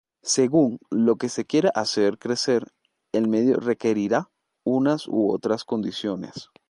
Según lo que se quiera hacer crecer, el medio requerirá unas u otras condiciones.